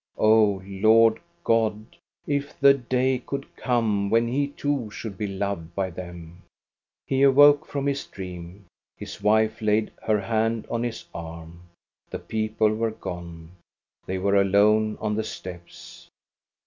Oh, Lord God, if the day could come when he too should be loved by them! He awoke from his dream ; his wife laid her hand on his arm. The people were gone. They were alone on the steps.